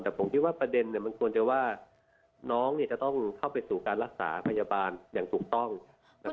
แต่ผมคิดว่าประเด็นเนี่ยมันควรจะว่าน้องเนี่ยจะต้องเข้าไปสู่การรักษาพยาบาลอย่างถูกต้องนะครับ